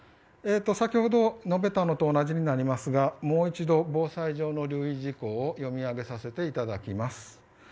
先ほど述べたのと同じになりますが、もう一度防災上の留意事項を読み上げます。